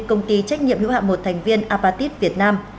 công ty trách nhiệm hữu hạm một thành viên apatit việt nam